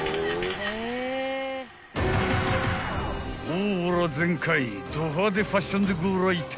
［オーラ全開ど派手ファッションでご来店］